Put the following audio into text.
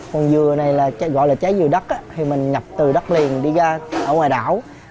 còn dừa này gọi là trái dừa đất thì mình nhập từ đất liền đi ra ở ngoài đảo